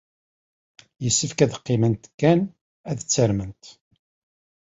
Yessefk ad qqiment kan ad ttarment.